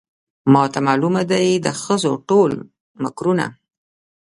ماته معلومه دي د ښځو ټول مکرونه